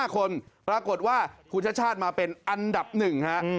๑๑๓๕คนปรากฏว่าคุณชัดชาติมาเป็นอันดับหนึ่งฮะ